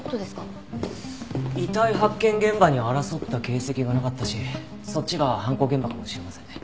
遺体発見現場には争った形跡がなかったしそっちが犯行現場かもしれませんね。